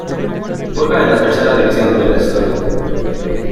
Juega en la Tercera División de Venezuela.